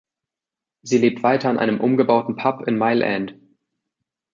Sie lebt weiter in einem umgebauten Pub in Mile End.